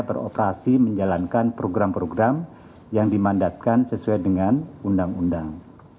beroperasi menjalankan program program yang dimandatkan sesuai dengan undang undang